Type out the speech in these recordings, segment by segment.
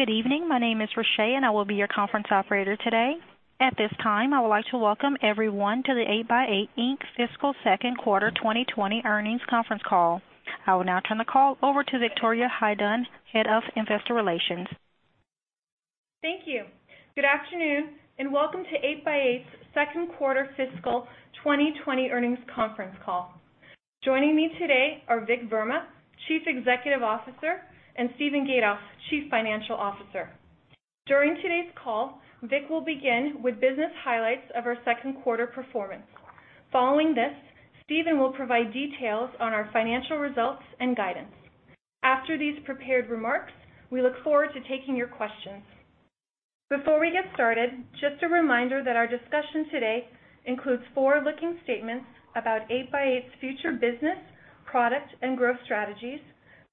Good evening, my name is Richay and I will be your conference operator today. At this time, I would like to welcome everyone to the 8x8, Inc. Fiscal Second Quarter 2020 earnings conference call. I will now turn the call over to Victoria Hyde-Dunn, Head of Investor Relations. Thank you. Good afternoon and welcome to 8x8's second quarter fiscal 2020 earnings conference call. Joining me today are Vik Verma, Chief Executive Officer, and Steven Gatoff, Chief Financial Officer. During today's call, Vik will begin with business highlights of our second quarter performance. Following this, Steven will provide details on our financial results and guidance. After these prepared remarks, we look forward to taking your questions. Before we get started, just a reminder that our discussion today includes forward-looking statements about 8x8's future business, product, and growth strategies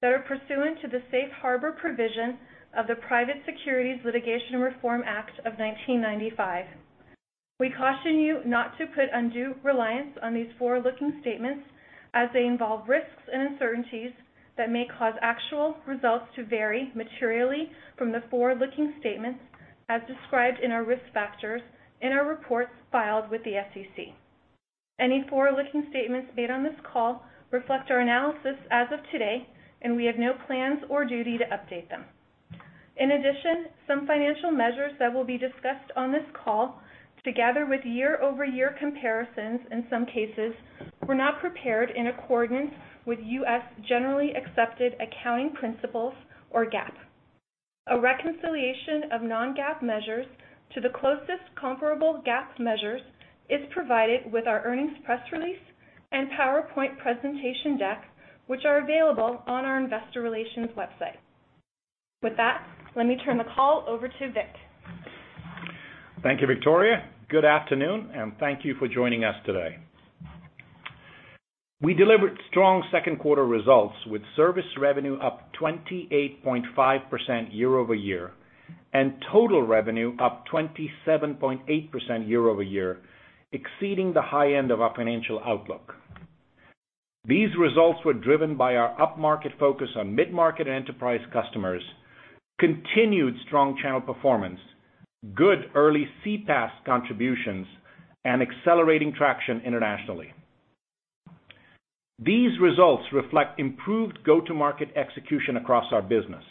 that are pursuant to the safe harbor provision of the Private Securities Litigation Reform Act of 1995. We caution you not to put undue reliance on these forward-looking statements as they involve risks and uncertainties that may cause actual results to vary materially from the forward-looking statements as described in our risk factors in our reports filed with the SEC. Any forward-looking statements made on this call reflect our analysis as of today, and we have no plans or duty to update them. In addition, some financial measures that will be discussed on this call, together with year-over-year comparisons in some cases, were not prepared in accordance with U.S. generally accepted accounting principles, or GAAP. A reconciliation of non-GAAP measures to the closest comparable GAAP measures is provided with our earnings press release and PowerPoint presentation deck, which are available on our investor relations website. With that, let me turn the call over to Vik. Thank you, Victoria. Good afternoon and thank you for joining us today. We delivered strong second quarter results with service revenue up 28.5% year-over-year, and total revenue up 27.8% year-over-year, exceeding the high end of our financial outlook. These results were driven by our upmarket focus on mid-market enterprise customers, continued strong channel performance, good early CPaaS contributions, and accelerating traction internationally. These results reflect improved go-to-market execution across our business.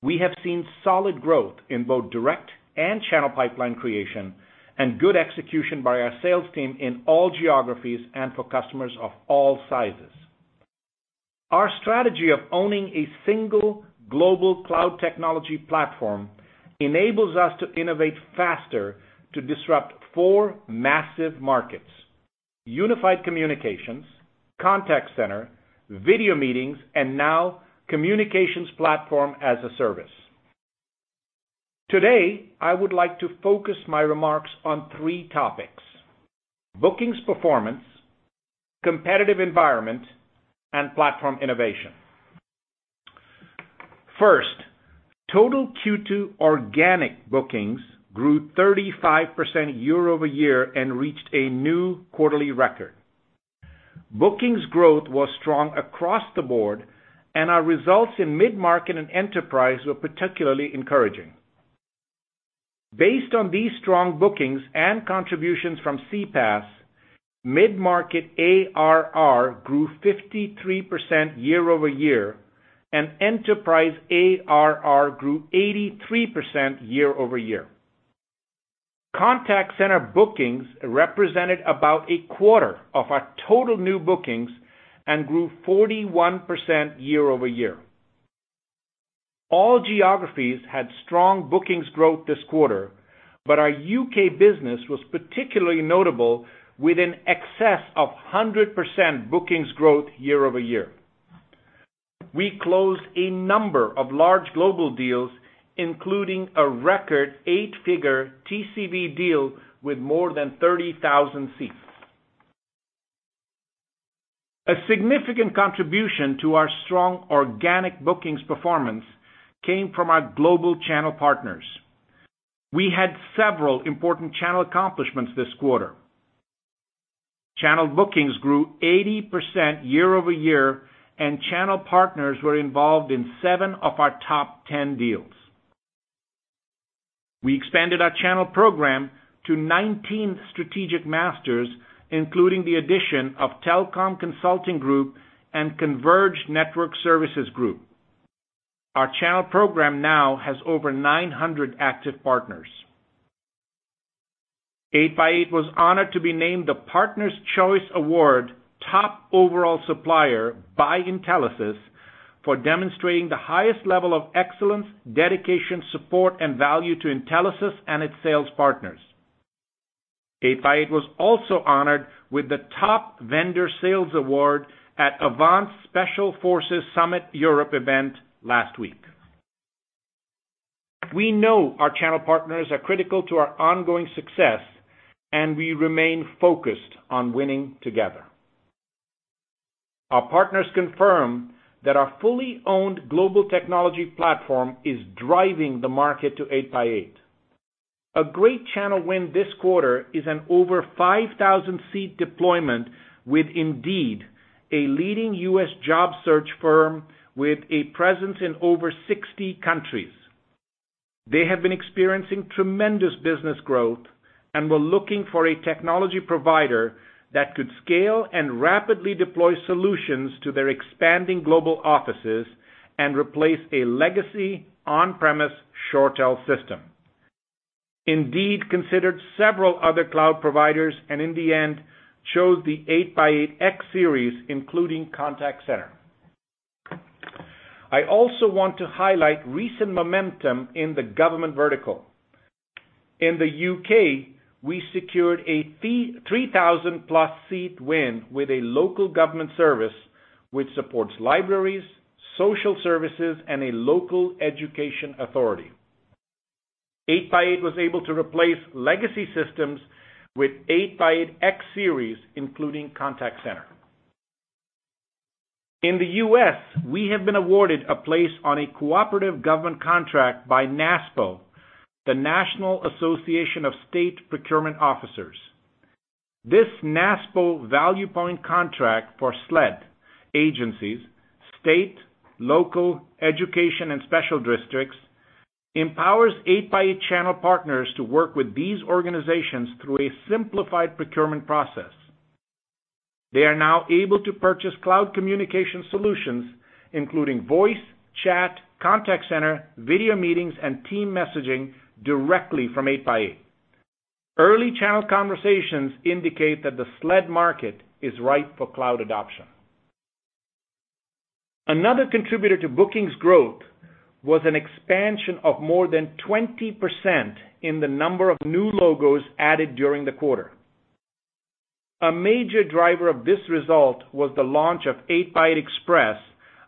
We have seen solid growth in both direct and channel pipeline creation and good execution by our sales team in all geographies and for customers of all sizes. Our strategy of owning a single global cloud technology platform enables us to innovate faster to disrupt four massive markets. Unified communications, contact center, video meetings, and now communications platform as a service. Today, I would like to focus my remarks on three topics. Bookings performance, competitive environment, and platform innovation. Total Q2 organic bookings grew 35% year-over-year and reached a new quarterly record. Bookings growth was strong across the board, our results in mid-market and enterprise were particularly encouraging. Based on these strong bookings and contributions from CPaaS, mid-market ARR grew 53% year-over-year, and enterprise ARR grew 83% year-over-year. Contact center bookings represented about a quarter of our total new bookings and grew 41% year-over-year. All geographies had strong bookings growth this quarter, our U.K. business was particularly notable with an excess of 100% bookings growth year-over-year. We closed a number of large global deals, including a record eight-figure TCV deal with more than 30,000 seats. A significant contribution to our strong organic bookings performance came from our global channel partners. We had several important channel accomplishments this quarter. Channel bookings grew 80% year-over-year, channel partners were involved in seven of our top ten deals. We expanded our channel program to 19 strategic masters, including the addition of Telecom Consulting Group and Converged Network Services Group. Our channel program now has over 900 active partners. 8x8 was honored to be named the Partners' Choice Award Top Overall Supplier by Intelisys for demonstrating the highest level of excellence, dedication, support, and value to Intelisys and its sales partners. 8x8 was also honored with the Top Vendor Sales Award at AVANT Special Forces Summit Europe event last week. We know our channel partners are critical to our ongoing success, and we remain focused on winning together. Our partners confirm that our fully owned global technology platform is driving the market to 8x8. A great channel win this quarter is an over 5,000-seat deployment with Indeed, a leading U.S. job search firm with a presence in over 60 countries. They have been experiencing tremendous business growth and were looking for a technology provider that could scale and rapidly deploy solutions to their expanding global offices and replace a legacy on-premise ShoreTel system. Indeed considered several other cloud providers, and in the end, chose the 8x8 X Series, including Contact Center. I also want to highlight recent momentum in the government vertical. In the U.K., we secured a 3,000-plus seat win with a local government service, which supports libraries, social services, and a local education authority. 8x8 was able to replace legacy systems with 8x8 X Series, including Contact Center. In the U.S., we have been awarded a place on a cooperative government contract by NASPO, the National Association of State Procurement Officers. This NASPO ValuePoint contract for SLED agencies, state, local, education, and special districts, empowers 8x8 channel partners to work with these organizations through a simplified procurement process. They are now able to purchase cloud communication solutions, including voice, chat, contact center, video meetings, and team messaging directly from 8x8. Early channel conversations indicate that the SLED market is ripe for cloud adoption. Another contributor to bookings growth was an expansion of more than 20% in the number of new logos added during the quarter. A major driver of this result was the launch of 8x8 Express,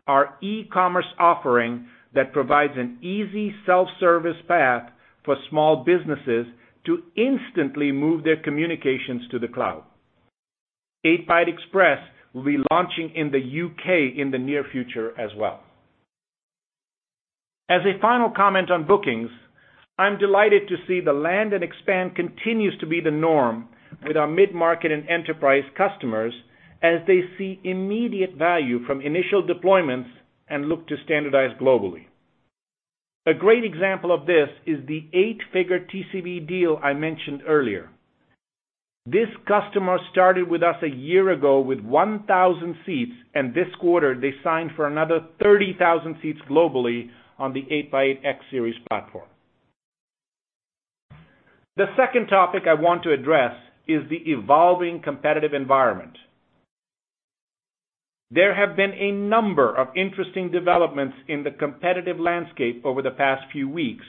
our e-commerce offering that provides an easy self-service path for small businesses to instantly move their communications to the cloud. 8x8 Express will be launching in the U.K. in the near future as well. As a final comment on bookings, I'm delighted to see the land and expand continues to be the norm with our mid-market and enterprise customers as they see immediate value from initial deployments and look to standardize globally. A great example of this is the eight-figure TCV deal I mentioned earlier. This customer started with us a year ago with 1,000 seats, and this quarter they signed for another 30,000 seats globally on the 8x8 X Series platform. The second topic I want to address is the evolving competitive environment. There have been a number of interesting developments in the competitive landscape over the past few weeks.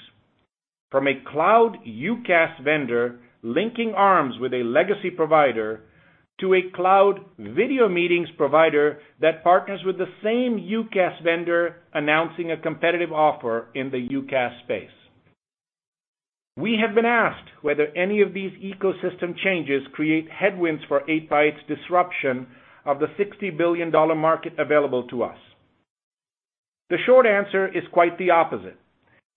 From a cloud UCaaS vendor linking arms with a legacy provider to a cloud video meetings provider that partners with the same UCaaS vendor announcing a competitive offer in the UCaaS space. We have been asked whether any of these ecosystem changes create headwinds for 8x8's disruption of the $60 billion market available to us. The short answer is quite the opposite.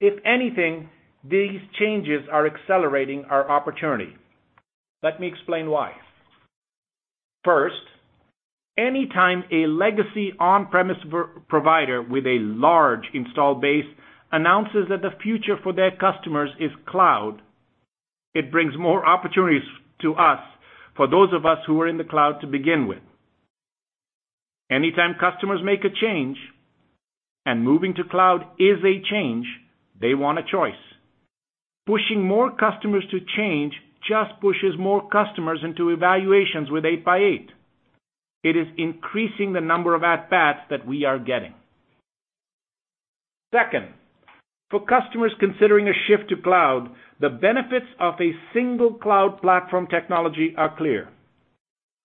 If anything, these changes are accelerating our opportunity. Let me explain why. First, anytime a legacy on-premise provider with a large install base announces that the future for their customers is cloud, it brings more opportunities to us, for those of us who are in the cloud to begin with. Anytime customers make a change, and moving to cloud is a change, they want a choice. Pushing more customers to change just pushes more customers into evaluations with 8x8. It is increasing the number of at-bats that we are getting. Second, for customers considering a shift to cloud, the benefits of a single cloud platform technology are clear.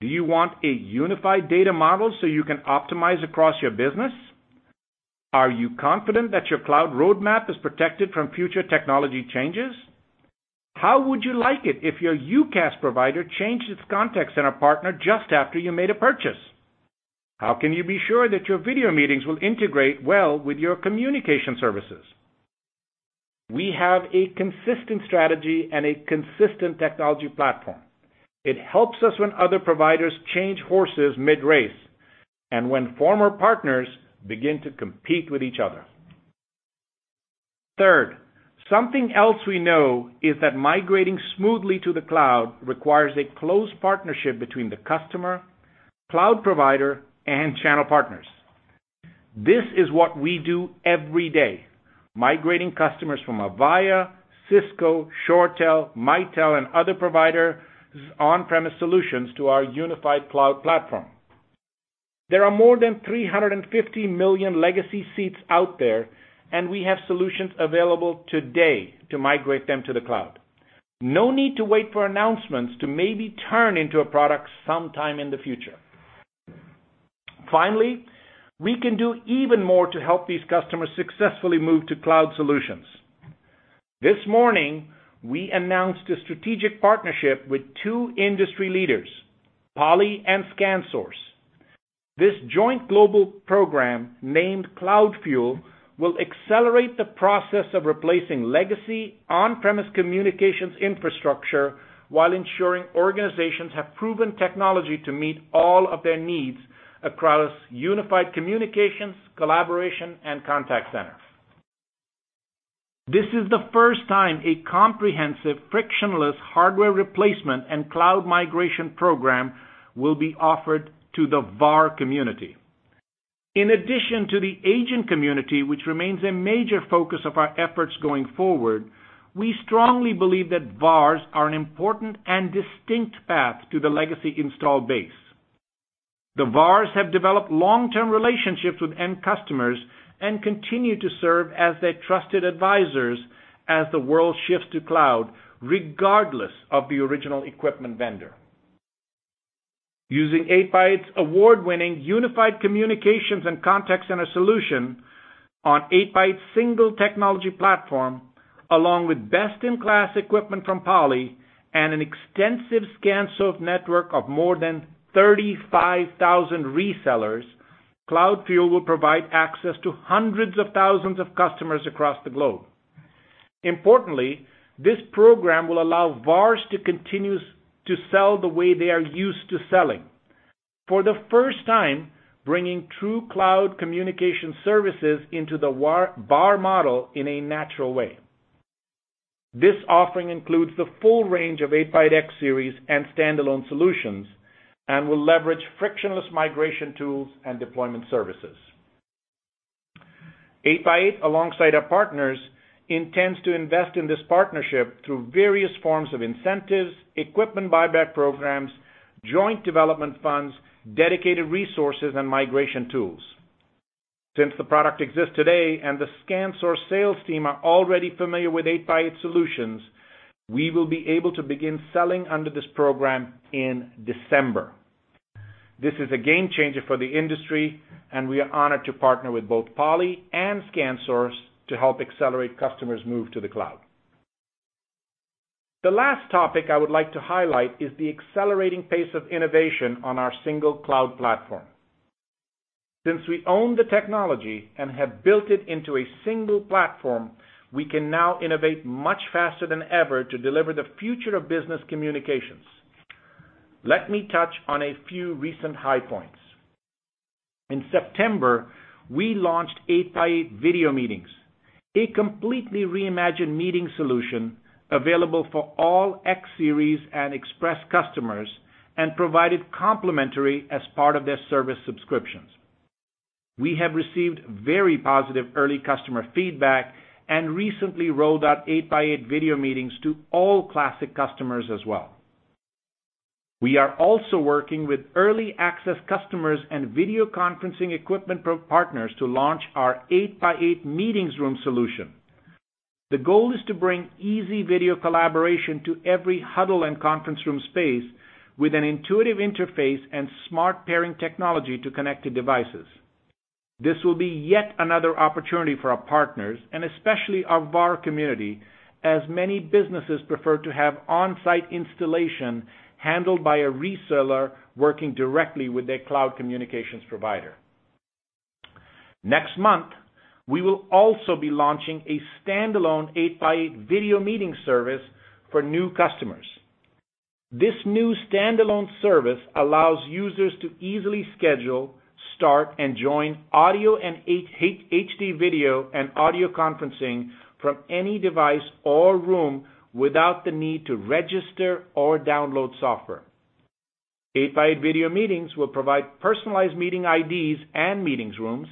Do you want a unified data model so you can optimize across your business? Are you confident that your cloud roadmap is protected from future technology changes? How would you like it if your UCaaS provider changed its contact center partner just after you made a purchase? How can you be sure that your video meetings will integrate well with your communication services? We have a consistent strategy and a consistent technology platform. It helps us when other providers change horses mid-race, and when former partners begin to compete with each other. Third, something else we know is that migrating smoothly to the cloud requires a close partnership between the customer, cloud provider, and channel partners. This is what we do every day, migrating customers from Avaya, Cisco, ShoreTel, Mitel, and other providers' on-premise solutions to our unified cloud platform. There are more than 350 million legacy seats out there, and we have solutions available today to migrate them to the cloud. No need to wait for announcements to maybe turn into a product sometime in the future. Finally, we can do even more to help these customers successfully move to cloud solutions. This morning, we announced a strategic partnership with two industry leaders, Poly and ScanSource. This joint global program, named CloudFuel, will accelerate the process of replacing legacy on-premise communications infrastructure while ensuring organizations have proven technology to meet all of their needs across unified communications, collaboration, and contact centers. This is the first time a comprehensive, frictionless hardware replacement and cloud migration program will be offered to the VAR community. In addition to the agent community, which remains a major focus of our efforts going forward, we strongly believe that VARs are an important and distinct path to the legacy installed base. The VARs have developed long-term relationships with end customers and continue to serve as their trusted advisors as the world shifts to cloud, regardless of the original equipment vendor. Using 8x8's award-winning unified communications and contact center solution on 8x8's single technology platform, along with best-in-class equipment from Poly and an extensive ScanSource network of more than 35,000 resellers, CloudFuel will provide access to hundreds of thousands of customers across the globe. Importantly, this program will allow VARs to continue to sell the way they are used to selling. For the first time, bringing true cloud communication services into the VAR model in a natural way. This offering includes the full range of 8x8 X Series and standalone solutions and will leverage frictionless migration tools and deployment services. 8x8, alongside our partners, intends to invest in this partnership through various forms of incentives, equipment buyback programs, joint development funds, dedicated resources, and migration tools. Since the product exists today and the ScanSource sales team are already familiar with 8x8 solutions, we will be able to begin selling under this program in December. This is a game changer for the industry, and we are honored to partner with both Poly and ScanSource to help accelerate customers' move to the cloud. The last topic I would like to highlight is the accelerating pace of innovation on our single cloud platform. Since we own the technology and have built it into a single platform, we can now innovate much faster than ever to deliver the future of business communications. Let me touch on a few recent high points. In September, we launched 8x8 Video Meetings, a completely reimagined meeting solution available for all X Series and Express customers and provided complimentary as part of their service subscriptions. We have received very positive early customer feedback and recently rolled out 8x8 Video Meetings to all classic customers as well. We are also working with early-access customers and video conferencing equipment partners to launch our 8x8 Meetings Room solution. The goal is to bring easy video collaboration to every huddle and conference room space with an intuitive interface and smart pairing technology to connect to devices. This will be yet another opportunity for our partners, and especially our VAR community, as many businesses prefer to have on-site installation handled by a reseller working directly with their cloud communications provider. Next month, we will also be launching a standalone 8x8 Video Meetings service for new customers. This new standalone service allows users to easily schedule, start, and join audio and HD video and audio conferencing from any device or room without the need to register or download software. 8x8 Video Meetings will provide personalized meeting IDs and meeting rooms,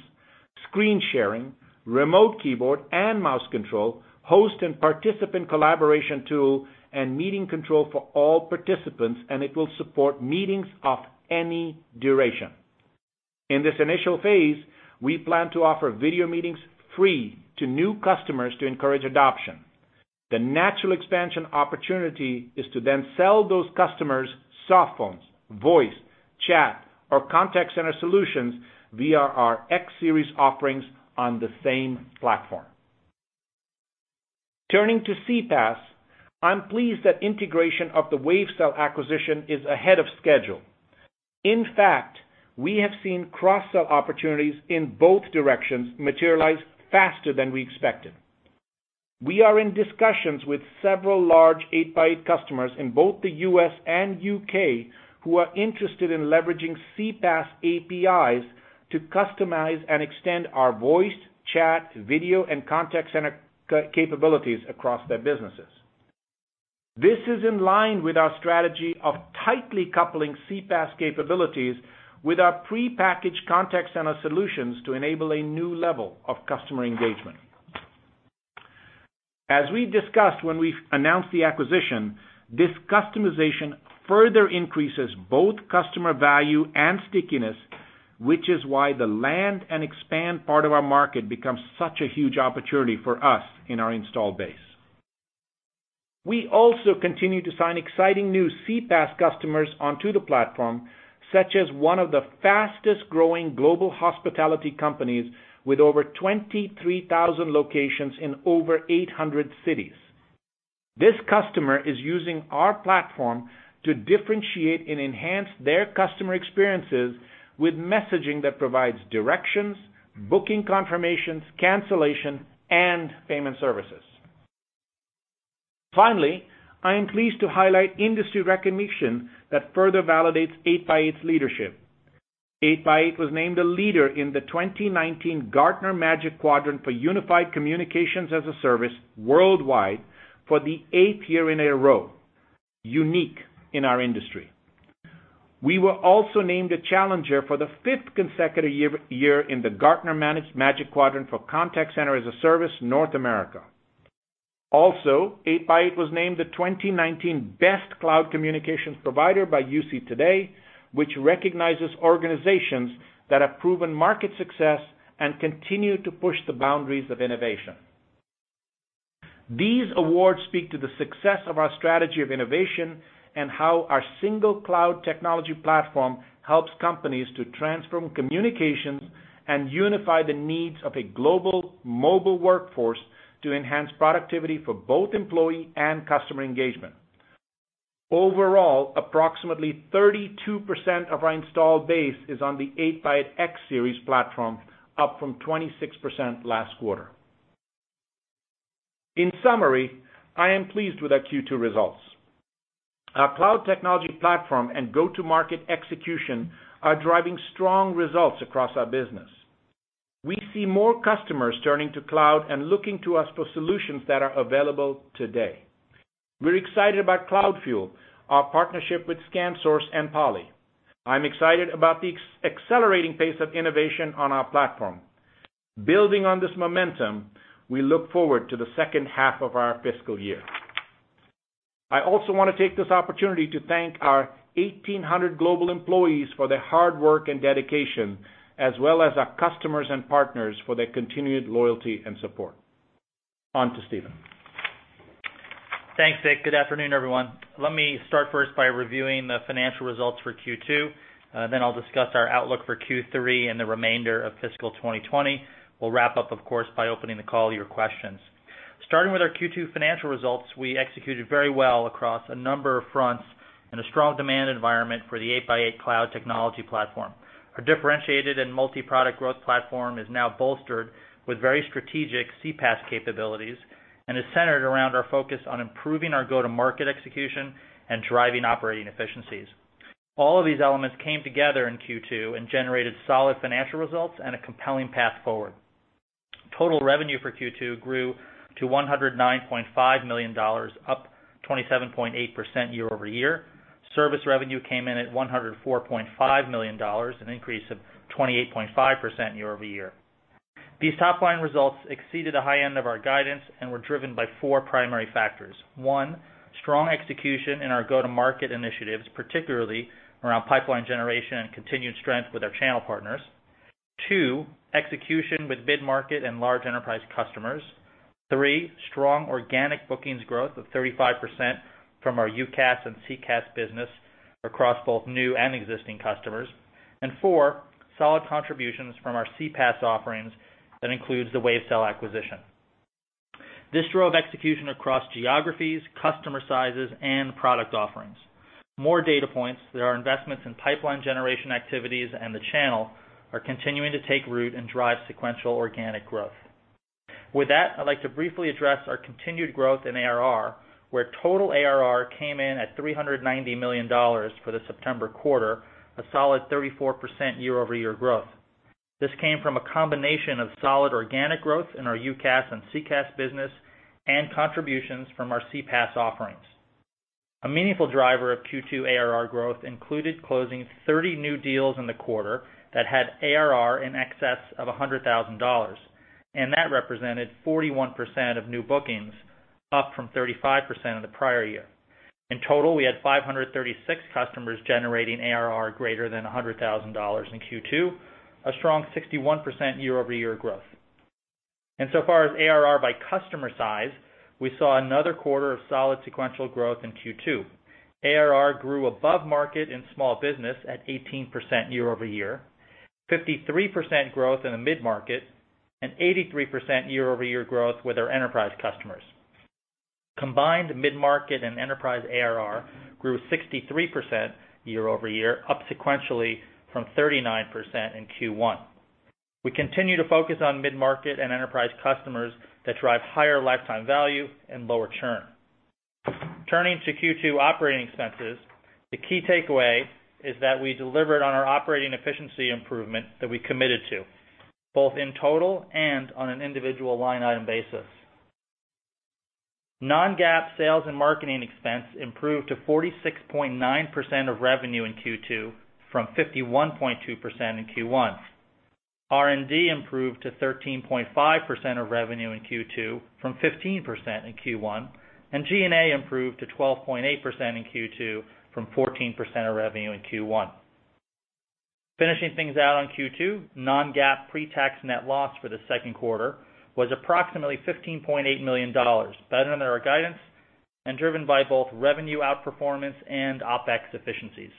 screen sharing, remote keyboard and mouse control, host and participant collaboration tool, and meeting control for all participants, and it will support meetings of any duration. In this initial phase, we plan to offer Video Meetings free to new customers to encourage adoption. The natural expansion opportunity is to then sell those customers soft phones, voice, chat, or contact center solutions via our 8x8 X Series offerings on the same platform. Turning to CPaaS, I'm pleased that integration of the Wavecell acquisition is ahead of schedule. In fact, we have seen cross-sell opportunities in both directions materialize faster than we expected. We are in discussions with several large 8x8 customers in both the U.S. and U.K. who are interested in leveraging CPaaS APIs to customize and extend our voice, chat, video, and contact center capabilities across their businesses. This is in line with our strategy of tightly coupling CPaaS capabilities with our prepackaged contact center solutions to enable a new level of customer engagement. As we discussed when we announced the acquisition, this customization further increases both customer value and stickiness, which is why the land and expand part of our market becomes such a huge opportunity for us in our install base. We also continue to sign exciting new CPaaS customers onto the platform, such as one of the fastest-growing global hospitality companies with over 23,000 locations in over 800 cities. This customer is using our platform to differentiate and enhance their customer experiences with messaging that provides directions, booking confirmations, cancellation, and payment services. Finally, I am pleased to highlight industry recognition that further validates 8x8's leadership. 8x8 was named a leader in the 2019 Gartner Magic Quadrant for Unified Communications as a Service worldwide for the eighth year in a row, unique in our industry. We were also named a challenger for the fifth consecutive year in the Gartner Magic Quadrant for Contact Center as a Service, North America. 8x8 was named the 2019 Best Cloud Communications Provider by UC Today, which recognizes organizations that have proven market success and continue to push the boundaries of innovation. These awards speak to the success of our strategy of innovation and how our single cloud technology platform helps companies to transform communications and unify the needs of a global mobile workforce to enhance productivity for both employee and customer engagement. Overall, approximately 32% of our installed base is on the 8x8 X Series platform, up from 26% last quarter. In summary, I am pleased with our Q2 results. Our cloud technology platform and go-to-market execution are driving strong results across our business. We see more customers turning to cloud and looking to us for solutions that are available today. We're excited about CloudFuel, our partnership with ScanSource and Poly. I'm excited about the accelerating pace of innovation on our platform. Building on this momentum, we look forward to the second half of our fiscal year. I also want to take this opportunity to thank our 1,800 global employees for their hard work and dedication, as well as our customers and partners for their continued loyalty and support. On to Stevennnnn. Thanks, Vik. Good afternoon, everyone. Let me start first by reviewing the financial results for Q2, then I'll discuss our outlook for Q3 and the remainder of fiscal 2020. We'll wrap up, of course, by opening the call to your questions. Starting with our Q2 financial results, we executed very well across a number of fronts in a strong demand environment for the 8x8 cloud technology platform. Our differentiated and multi-product growth platform is now bolstered with very strategic CPaaS capabilities and is centered around our focus on improving our go-to-market execution and driving operating efficiencies. All of these elements came together in Q2 and generated solid financial results and a compelling path forward. Total revenue for Q2 grew to $109.5 million, up 27.8% year-over-year. Service revenue came in at $104.5 million, an increase of 28.5% year-over-year. These top-line results exceeded the high end of our guidance and were driven by four primary factors. 1. Strong execution in our go-to-market initiatives, particularly around pipeline generation and continued strength with our channel partners. 2. Execution with mid-market and large enterprise customers. 3. Strong organic bookings growth of 35% from our UCaaS and CCaaS business across both new and existing customers. 4. Solid contributions from our CPaaS offerings. That includes the Wavecell acquisition. This drove execution across geographies, customer sizes, and product offerings. More data points, there are investments in pipeline generation activities and the channel are continuing to take root and drive sequential organic growth. With that, I'd like to briefly address our continued growth in ARR, where total ARR came in at $390 million for the September quarter, a solid 34% year-over-year growth. This came from a combination of solid organic growth in our UCaaS and CCaaS business and contributions from our CPaaS offerings. A meaningful driver of Q2 ARR growth included closing 30 new deals in the quarter that had ARR in excess of $100,000. That represented 41% of new bookings, up from 35% in the prior year. In total, we had 536 customers generating ARR greater than $100,000 in Q2, a strong 61% year-over-year growth. So far as ARR by customer size, we saw another quarter of solid sequential growth in Q2. ARR grew above market in small business at 18% year-over-year, 53% growth in the mid-market, and 83% year-over-year growth with our enterprise customers. Combined mid-market and enterprise ARR grew 63% year-over-year, up sequentially from 39% in Q1. We continue to focus on mid-market and enterprise customers that drive higher lifetime value and lower churn. Turning to Q2 operating expenses, the key takeaway is that we delivered on our operating efficiency improvement that we committed to, both in total and on an individual line item basis. Non-GAAP sales and marketing expense improved to 46.9% of revenue in Q2 from 51.2% in Q1. R&D improved to 13.5% of revenue in Q2 from 15% in Q1, and G&A improved to 12.8% in Q2 from 14% of revenue in Q1. Finishing things out on Q2, non-GAAP pre-tax net loss for the second quarter was approximately $15.8 million, better than our guidance and driven by both revenue outperformance and OpEx efficiencies.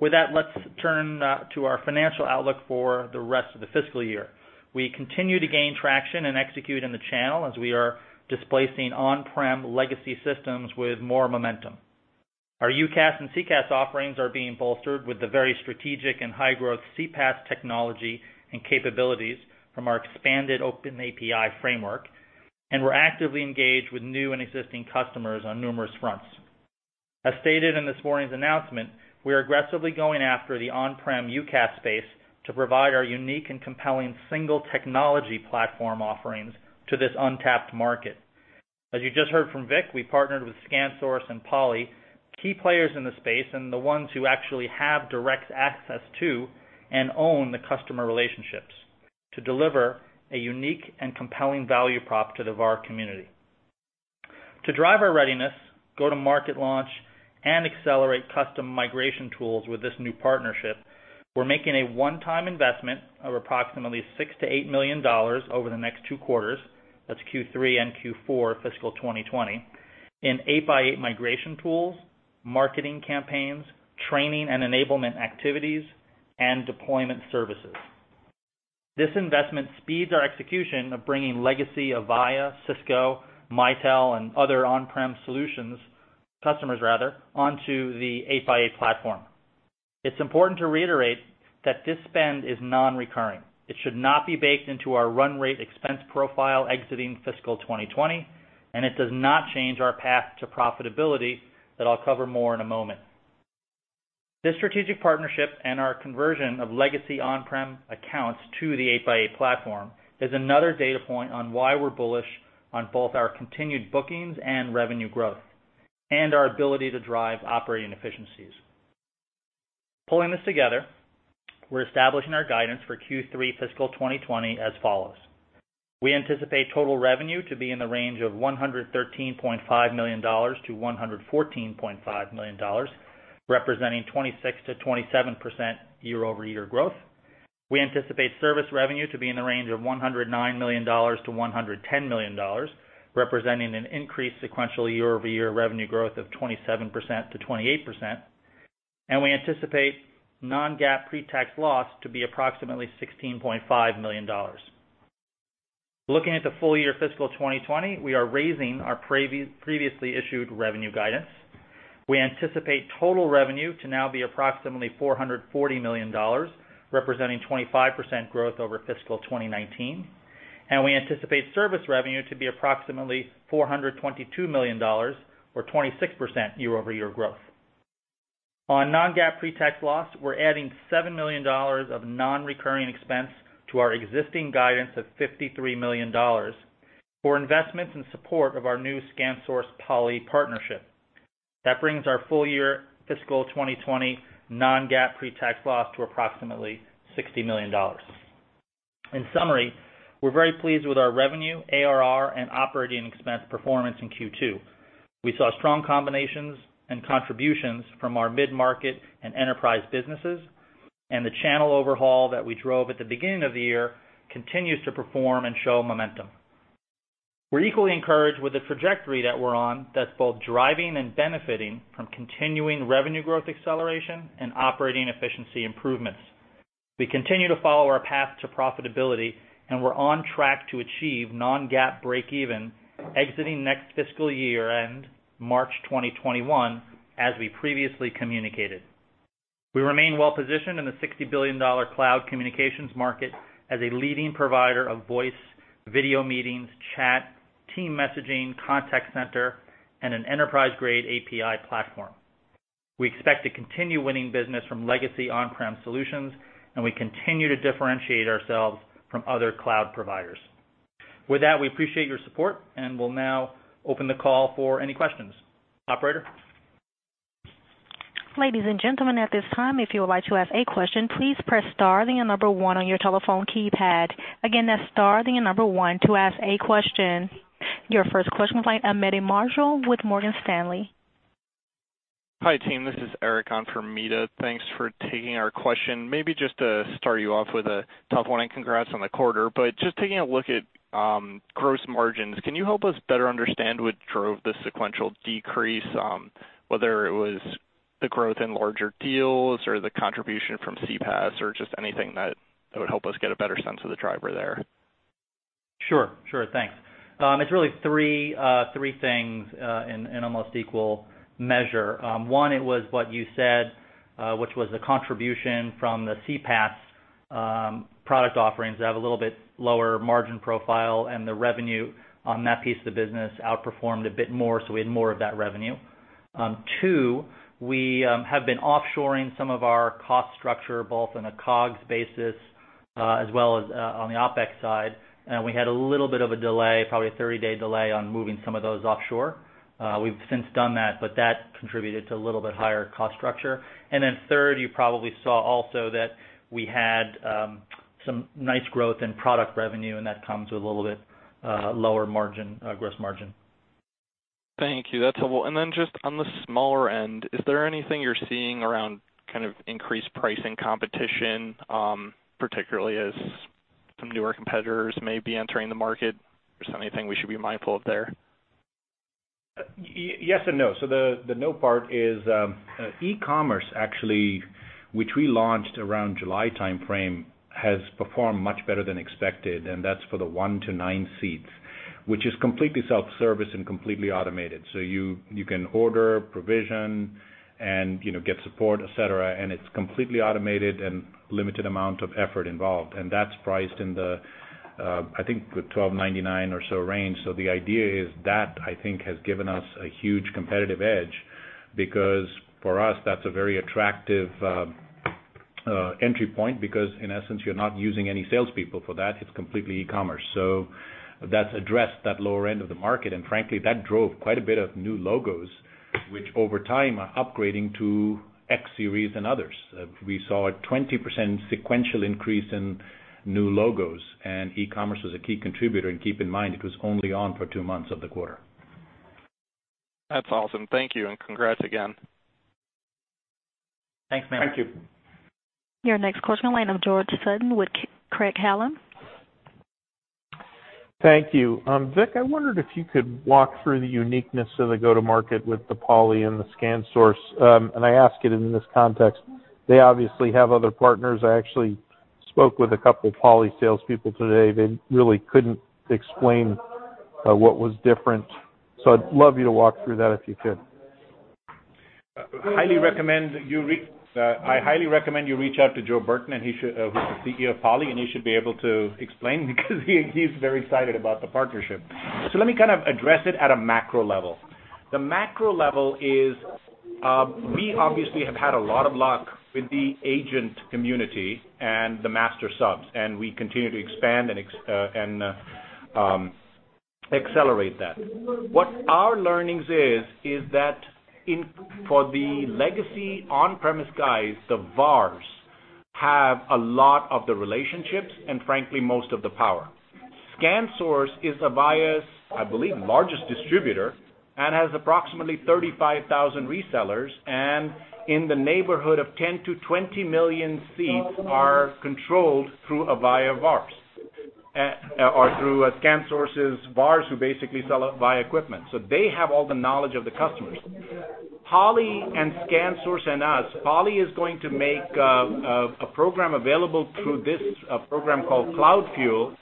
With that, let's turn to our financial outlook for the rest of the fiscal year. We continue to gain traction and execute in the channel as we are displacing on-prem legacy systems with more momentum. Our UCaaS and CCaaS offerings are being bolstered with the very strategic and high-growth CPaaS technology and capabilities from our expanded OpenAPI framework, and we're actively engaged with new and existing customers on numerous fronts. As stated in this morning's announcement, we are aggressively going after the on-prem UCaaS space to provide our unique and compelling single technology platform offerings to this untapped market. As you just heard from Vik, we partnered with ScanSource and Poly, key players in the space, and the ones who actually have direct access to and own the customer relationships, to deliver a unique and compelling value prop to the VAR community. To drive our readiness, go-to-market launch, and accelerate custom migration tools with this new partnership, we're making a one-time investment of approximately $6 million-$8 million over the next two quarters, that's Q3 and Q4 fiscal 2020, in 8x8 migration tools, marketing campaigns, training and enablement activities, and deployment services. This investment speeds our execution of bringing legacy Avaya, Cisco, Mitel, and other on-prem customers onto the 8x8 platform. It's important to reiterate that this spend is non-recurring. It should not be baked into our run rate expense profile exiting fiscal 2020, and it does not change our path to profitability that I'll cover more in a moment. This strategic partnership and our conversion of legacy on-prem accounts to the 8x8 platform is another data point on why we're bullish on both our continued bookings and revenue growth and our ability to drive operating efficiencies. Pulling this together, we're establishing our guidance for Q3 fiscal 2020 as follows. We anticipate total revenue to be in the range of $113.5 million-$114.5 million, representing 26%-27% year-over-year growth. We anticipate service revenue to be in the range of $109 million-$110 million, representing an increased sequential year-over-year revenue growth of 27%-28%. We anticipate non-GAAP pre-tax loss to be approximately $16.5 million. Looking at the full year fiscal 2020, we are raising our previously issued revenue guidance. We anticipate total revenue to now be approximately $440 million, representing 25% growth over fiscal 2019. We anticipate service revenue to be approximately $422 million or 26% year-over-year growth. On non-GAAP pre-tax loss, we're adding $7 million of non-recurring expense to our existing guidance of $53 million for investments in support of our new ScanSource Poly partnership. That brings our full year fiscal 2020 non-GAAP pre-tax loss to approximately $60 million. In summary, we're very pleased with our revenue, ARR, and operating expense performance in Q2. We saw strong combinations and contributions from our mid-market and enterprise businesses. The channel overhaul that we drove at the beginning of the year continues to perform and show momentum. We're equally encouraged with the trajectory that we're on that's both driving and benefiting from continuing revenue growth acceleration and operating efficiency improvements. We continue to follow our path to profitability, and we're on track to achieve non-GAAP break even exiting next fiscal year-end, March 2021, as we previously communicated. We remain well-positioned in the $60 billion cloud communications market as a leading provider of voice, video meetings, chat, team messaging, contact center, and an enterprise-grade API platform. We expect to continue winning business from legacy on-prem solutions, and we continue to differentiate ourselves from other cloud providers. With that, we appreciate your support, and we'll now open the call for any questions. Operator? Ladies and gentlemen, at this time, if you would like to ask a question, please press star then the number 1 on your telephone keypad. Again, that's star then the number 1 to ask a question. Your first question comes from Amita Marshall with Morgan Stanley. Hi, team, this is Eric on for Amita. Thanks for taking our question. Maybe just to start you off with a tough one, congrats on the quarter. Just taking a look at gross margins, can you help us better understand what drove the sequential decrease? Whether it was the growth in larger deals or the contribution from CPaaS, or just anything that would help us get a better sense of the driver there. Sure. Thanks. It's really three things in almost equal measure. One, it was what you said, which was the contribution from the CPaaS product offerings that have a little bit lower margin profile, the revenue on that piece of the business outperformed a bit more, so we had more of that revenue. Two, we have been offshoring some of our cost structure, both on a COGS basis as well as on the OpEx side. We had a little bit of a delay, probably a 30-day delay, on moving some of those offshore. We've since done that, but that contributed to a little bit higher cost structure. Third, you probably saw also that we had some nice growth in product revenue, that comes with a little bit lower gross margin. Thank you. That's helpful. Just on the smaller end, is there anything you're seeing around increased pricing competition, particularly as some newer competitors may be entering the market? Just anything we should be mindful of there? Yes and no. The no part is e-commerce actually, which we launched around July timeframe, has performed much better than expected, and that's for the one to nine seats, which is completely self-service and completely automated. You can order, provision, and get support, et cetera, and it's completely automated and limited amount of effort involved. That's priced in the, I think, the $12.99 or so range. The idea is that, I think, has given us a huge competitive edge because for us, that's a very attractive entry point because in essence, you're not using any salespeople for that. It's completely e-commerce. That's addressed that lower end of the market, and frankly, that drove quite a bit of new logos which over time are upgrading to X Series and others. We saw a 20% sequential increase in new logos and e-commerce was a key contributor. Keep in mind it was only on for two months of the quarter. That's awesome. Thank you and congrats again. Thanks, man. Thank you. Your next question line of George Sutton with Craig-Hallum. Thank you. Vik, I wondered if you could walk through the uniqueness of the go-to-market with the Poly and the ScanSource. I ask it in this context. They obviously have other partners. I actually spoke with a couple of Poly salespeople today. They really couldn't explain what was different. I'd love you to walk through that if you could. I highly recommend you reach out to Joe Burton, who is the CEO of Poly, and he should be able to explain because he is very excited about the partnership. Let me kind of address it at a macro level. The macro level is, we obviously have had a lot of luck with the agent community and the master subs, and we continue to expand and accelerate that. What our learnings is that for the legacy on-premise guys, the VARs have a lot of the relationships and frankly most of the power. ScanSource is Avaya's, I believe, largest distributor and has approximately 35,000 resellers and in the neighborhood of 10 million-20 million seats are controlled through Avaya VARs or through ScanSource's VARs who basically sell Avaya equipment. They have all the knowledge of the customers. Poly and ScanSource and us, Poly is going to make a program available through this program called CloudFuel,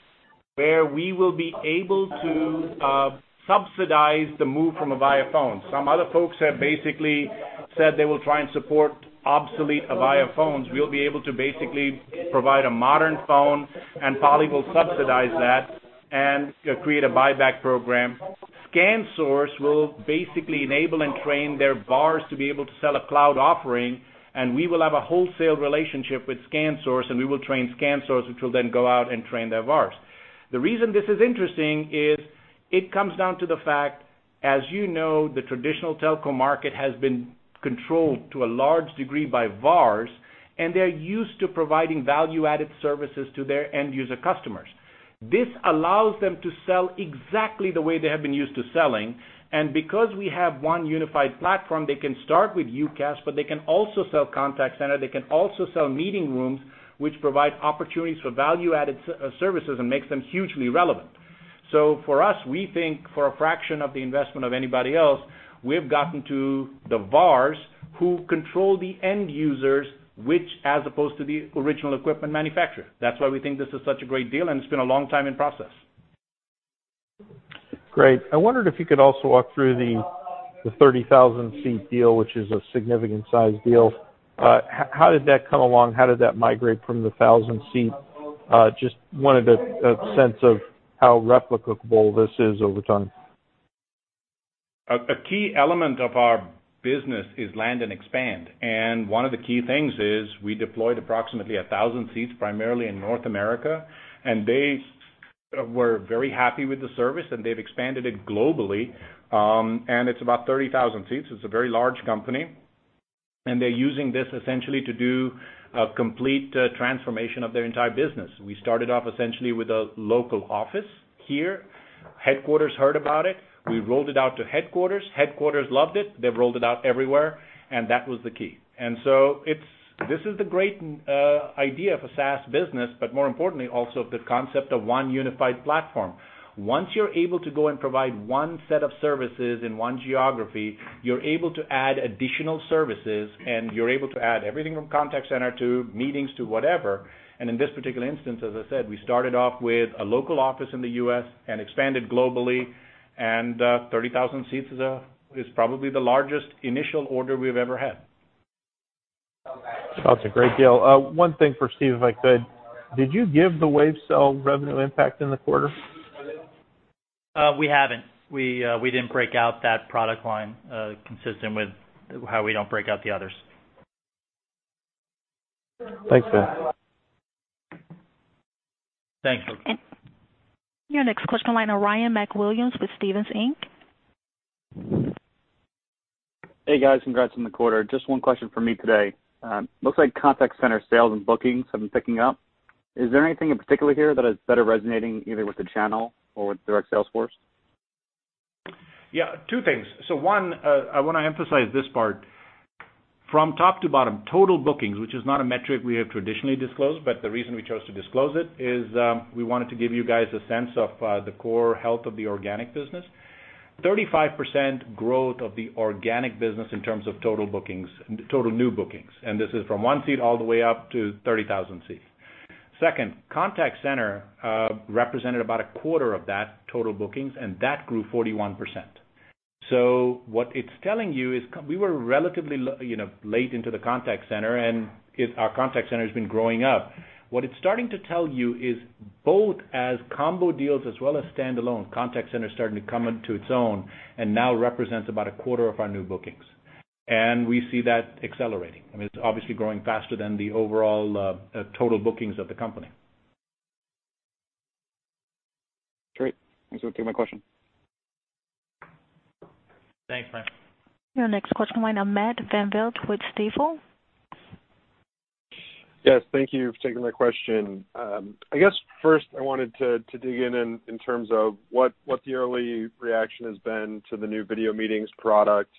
where we will be able to subsidize the move from Avaya phone. Some other folks have basically said they will try and support obsolete Avaya phones. We'll be able to basically provide a modern phone and Poly will subsidize that and create a buyback program. ScanSource will basically enable and train their VARs to be able to sell a cloud offering and we will have a wholesale relationship with ScanSource and we will train ScanSource which will then go out and train their VARs. The reason this is interesting is it comes down to the fact, as you know, the traditional telco market has been controlled to a large degree by VARs and they're used to providing value-added services to their end user customers. Because we have one unified platform, they can start with UCaaS, but they can also sell contact center, they can also sell meeting rooms which provide opportunities for value-added services and makes them hugely relevant. For us, we think for a fraction of the investment of anybody else, we've gotten to the VARs who control the end users which as opposed to the original equipment manufacturer. That's why we think this is such a great deal and it's been a long time in process. Great. I wondered if you could also walk through the 30,000-seat deal which is a significant size deal. How did that come along? How did that migrate from the 1,000 seat? Just wanted a sense of how replicable this is over time. A key element of our business is land and expand. They deployed approximately 1,000 seats primarily in North America. They were very happy with the service. They've expanded it globally. It's about 30,000 seats. It's a very large company and they're using this essentially to do a complete transformation of their entire business. We started off essentially with a local office here. Headquarters heard about it. We rolled it out to headquarters. Headquarters loved it. They've rolled it out everywhere and that was the key. This is the great idea of a SaaS business but more importantly also the concept of one unified platform. Once you're able to go and provide one set of services in one geography, you're able to add additional services and you're able to add everything from Contact Center to meetings to whatever. In this particular instance as I said, we started off with a local office in the U.S. and expanded globally and 30,000 seats is probably the largest initial order we've ever had. That's a great deal. One thing for Steven if I could. Did you give the Wavecell revenue impact in the quarter? We haven't. We didn't break out that product line consistent with how we don't break out the others. Thanks, Stevennn. Thanks. Your next question line of Ryan McWilliams with Stephens Inc. Hey guys, congrats on the quarter. Just one question from me today. Looks like contact center sales and bookings have been picking up. Is there anything in particular here that is better resonating either with the channel or with direct sales force? Yeah, two things. One, I want to emphasize this part. From top to bottom, total bookings, which is not a metric we have traditionally disclosed, but the reason we chose to disclose it is we wanted to give you guys a sense of the core health of the organic business. 35% growth of the organic business in terms of total new bookings. This is from one seat all the way up to 30,000 seats. Second, Contact Center represented about a quarter of that total bookings, and that grew 41%. What it's telling you is we were relatively late into the Contact Center, and our Contact Center's been growing up. What it's starting to tell you is both as combo deals as well as standalone, Contact Center's starting to come into its own and now represents about a quarter of our new bookings. We see that accelerating. It's obviously growing faster than the overall total bookings of the company. Great. Thanks for taking my question. Thanks, Ryan. Your next question, line of Matt Van Vliet with Stifel. Yes. Thank you for taking my question. I guess first I wanted to dig in terms of what the early reaction has been to the new Video Meetings product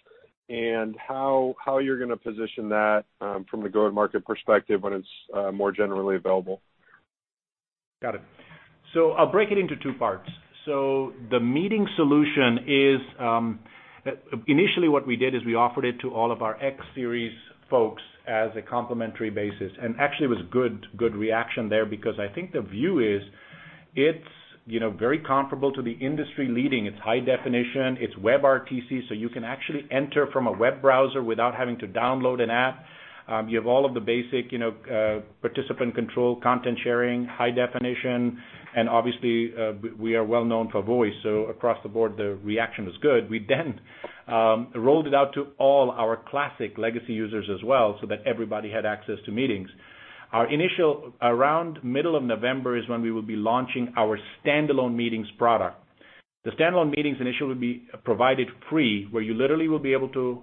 and how you're going to position that from the go-to-market perspective when it's more generally available. Got it. I'll break it into two parts. The meeting solution is, initially what we did is we offered it to all of our X Series folks as a complimentary basis. Actually, it was good reaction there because I think the view is it's very comparable to the industry leading. It's high definition, it's WebRTC, so you can actually enter from a web browser without having to download an app. You have all of the basic participant control, content sharing, high definition, and obviously, we are well known for voice. Across the board, the reaction was good. We then rolled it out to all our classic legacy users as well, so that everybody had access to meetings. Around middle of November is when we will be launching our standalone meetings product. The standalone meetings initially will be provided free, where you literally will be able to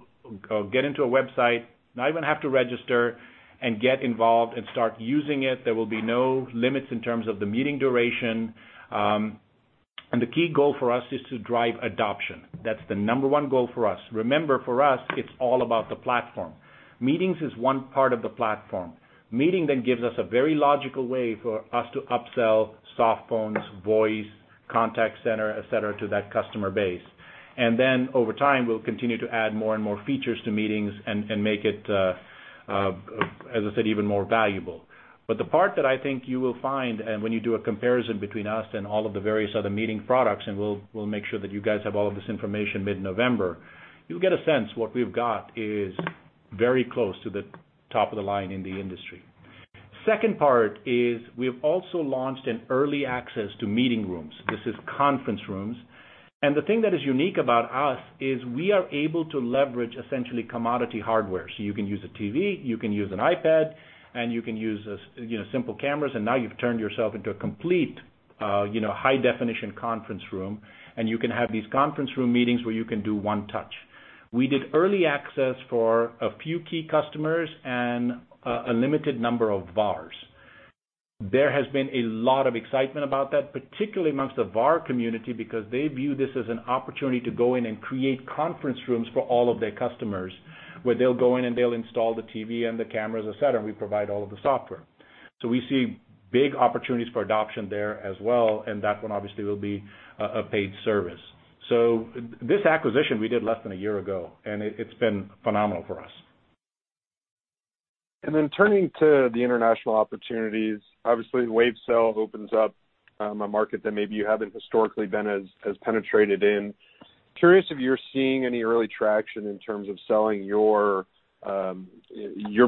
get into a website, not even have to register, and get involved and start using it. There will be no limits in terms of the meeting duration. The key goal for us is to drive adoption. That's the number one goal for us. Remember, for us, it's all about the platform. Meetings is one part of the platform. Meeting gives us a very logical way for us to upsell soft phones, voice, contact center, et cetera, to that customer base. Over time, we'll continue to add more and more features to meetings and make it, as I said, even more valuable. The part that I think you will find when you do a comparison between us and all of the various other meeting products, and we'll make sure that you guys have all of this information mid-November, you'll get a sense what we've got is very close to the top of the line in the industry. Second part is we've also launched an early access to meeting rooms. This is conference rooms. The thing that is unique about us is we are able to leverage essentially commodity hardware. You can use a TV, you can use an iPad, and you can use simple cameras, and now you've turned yourself into a complete high definition conference room, and you can have these conference room meetings where you can do one touch. We did early access for a few key customers and a limited number of VARs. There has been a lot of excitement about that, particularly amongst the VAR community, because they view this as an opportunity to go in and create conference rooms for all of their customers, where they'll go in and they'll install the TV and the cameras, et cetera, and we provide all of the software. We see big opportunities for adoption there as well, and that one obviously will be a paid service. This acquisition we did less than a year ago, and it's been phenomenal for us. Turning to the international opportunities, obviously Wavecell opens up a market that maybe you haven't historically been as penetrated in. Curious if you're seeing any early traction in terms of selling your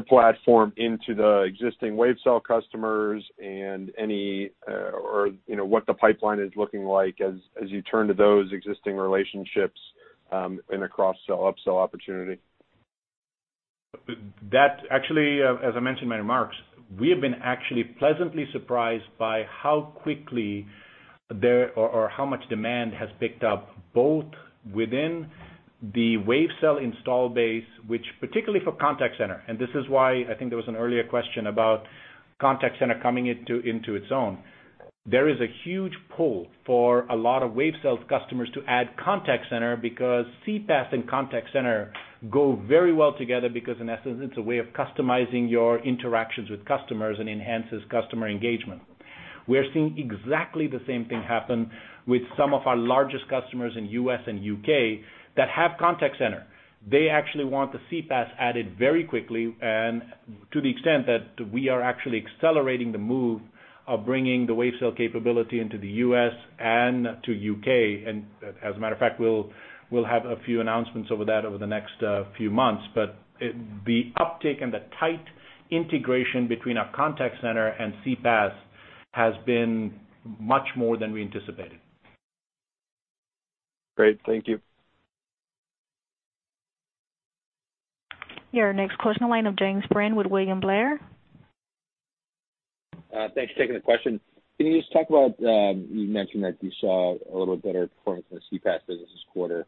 platform into the existing Wavecell customers and what the pipeline is looking like as you turn to those existing relationships in a cross-sell, upsell opportunity. That actually, as I mentioned in my remarks, we have been actually pleasantly surprised by how much demand has picked up, both within the Wavecell install base, which particularly for contact center, and this is why I think there was an earlier question about contact center coming into its own. There is a huge pull for a lot of Wavecell's customers to add contact center because CPaaS and contact center go very well together because in essence, it's a way of customizing your interactions with customers and enhances customer engagement. We're seeing exactly the same thing happen with some of our largest customers in U.S. and U.K. that have contact center. They actually want the CPaaS added very quickly, and to the extent that we are actually accelerating the move of bringing the Wavecell capability into the U.S. and to U.K. As a matter of fact, we'll have a few announcements over that over the next few months. The uptick and the tight integration between our contact center and CPaaS has been much more than we anticipated. Great. Thank you. Your next question, line of James Brinn with William Blair. Thanks for taking the question. Can you just talk about, you mentioned that you saw a little better performance in the CPaaS business this quarter.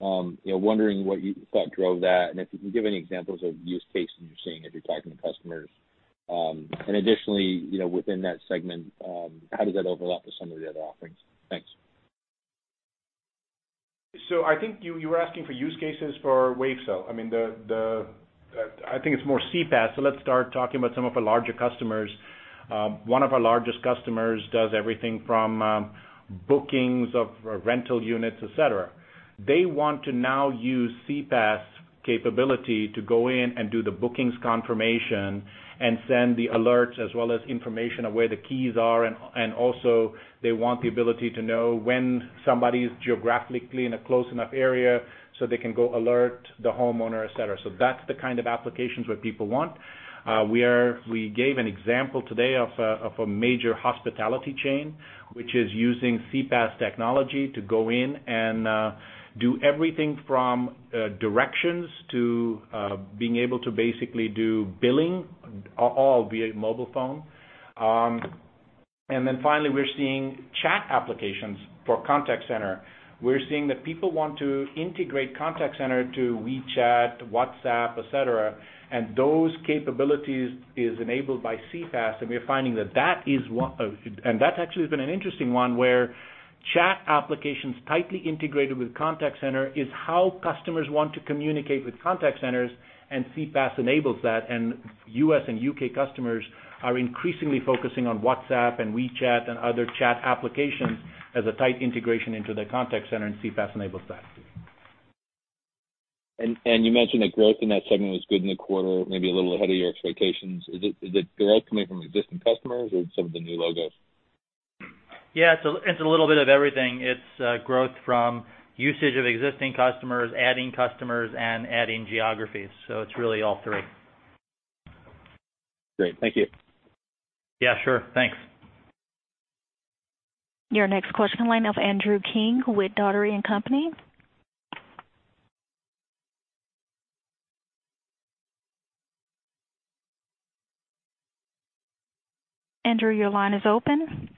Wondering what you thought drove that, and if you can give any examples of use cases you're seeing as you're talking to customers. Additionally, within that segment, how does that overlap with some of the other offerings? Thanks. I think you were asking for use cases for Wavecell. I think it's more CPaaS, let's start talking about some of our larger customers. One of our largest customers does everything from bookings of rental units, et cetera. They want to now use CPaaS capability to go in and do the bookings confirmation and send the alerts as well as information of where the keys are. Also they want the ability to know when somebody's geographically in a close enough area so they can go alert the homeowner, et cetera. That's the kind of applications where people want. We gave an example today of a major hospitality chain, which is using CPaaS technology to go in and do everything from directions to being able to basically do billing, all via mobile phone. Finally, we're seeing chat applications for contact center. We're seeing that people want to integrate contact center to WeChat, WhatsApp, et cetera, those capabilities is enabled by CPaaS. That actually has been an interesting one, where chat applications tightly integrated with contact center is how customers want to communicate with contact centers, CPaaS enables that. U.S. and U.K. customers are increasingly focusing on WhatsApp and WeChat and other chat applications as a tight integration into their contact center, CPaaS enables that. You mentioned that growth in that segment was good in the quarter, maybe a little ahead of your expectations. Is the growth coming from existing customers or some of the new logos? Yeah, it's a little bit of everything. It's growth from usage of existing customers, adding customers and adding geographies. It's really all three. Great. Thank you. Yeah, sure. Thanks. Your next question, line of Andrew King with Dougherty & Company. Andrew, your line is open.